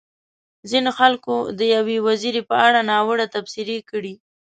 ځينو خلکو د يوې وزيرې په اړه ناوړه تبصرې کړې.